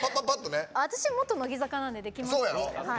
私元乃木坂なんでできますよ。